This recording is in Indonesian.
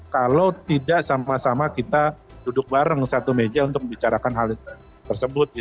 kalau tidak sama sama kita duduk bareng satu meja untuk membicarakan hal tersebut